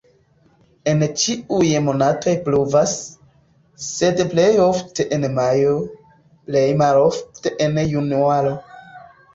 En ĉiuj monatoj pluvas, sed plej ofte en majo, plej malofte en januaro.